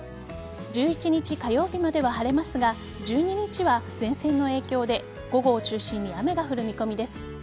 １１日火曜日までは晴れますが１２日は前線の影響で午後を中心に雨が降る見込みです。